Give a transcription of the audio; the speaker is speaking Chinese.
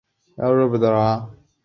可惜在直路发力一般只得第七。